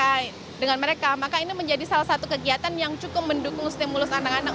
saya rasa ini adalah kesempatan yang cukup mendukung stimulus anak anak